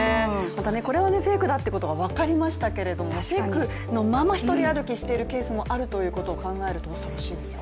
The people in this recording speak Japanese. これがフェイクだということは分かりましたけどフェイクのまま１人歩きしているケースもあると考えると恐ろしいですよね。